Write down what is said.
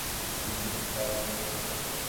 তাই এই বিষয়ে আমরাই বিশেষজ্ঞ।